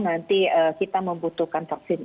nanti kita membutuhkan vaksin